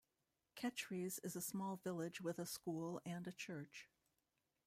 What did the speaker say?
Kechries is a small village with a school and a church.